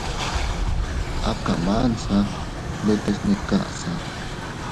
A kamansa ndetes ne kaʼsa.